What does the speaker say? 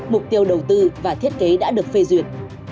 mục tiêu đầu tư và thiết kế đã được phê duyệt